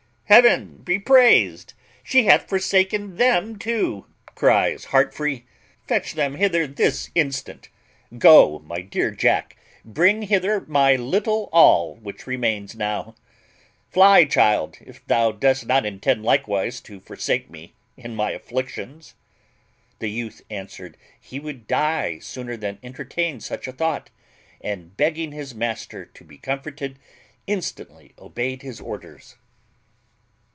"Heaven be praised! She hath forsaken them too!" cries Heartfree: "fetch them hither this instant. Go, my dear Jack, bring hither my little all which remains now: fly, child, if thou dost not intend likewise to forsake me in my afflictions." The youth answered he would die sooner than entertain such a thought, and, begging his master to be comforted, instantly obeyed his orders.